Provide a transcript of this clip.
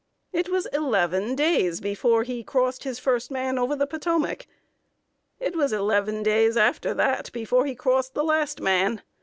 It was eleven days before he crossed his first man over the Potomac; it was eleven days after that before he crossed the last man.